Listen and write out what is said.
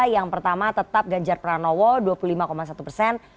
yang pertama tetap ganjar pranowo dua puluh lima satu persen